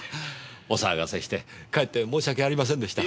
お騒がせしてかえって申し訳ありませんでした。